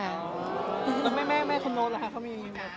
แล้วแม่คนโน้ตเหรอคะเขามี